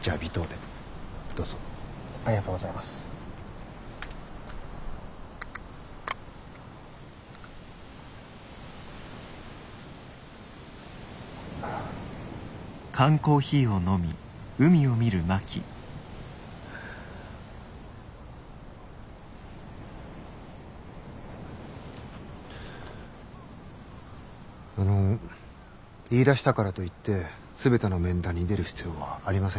あの言いだしたからといって全ての面談に出る必要はありませんよ。